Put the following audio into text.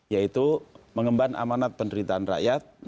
yaitu mengemban amanat penderitaan rakyat